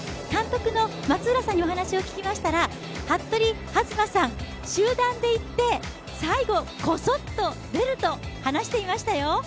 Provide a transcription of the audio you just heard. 監督の松浦さんにお話を聞きましたら服部弾馬さん、集団で行って最後、こそっと出ると話していましたよ。